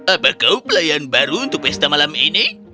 apa kau pelayan baru untuk pesta malam ini